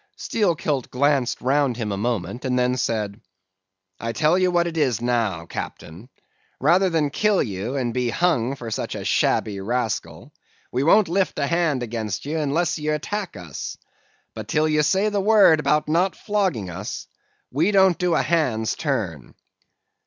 "Steelkilt glanced round him a moment, and then said:—'I tell you what it is now, Captain, rather than kill ye, and be hung for such a shabby rascal, we won't lift a hand against ye unless ye attack us; but till you say the word about not flogging us, we don't do a hand's turn.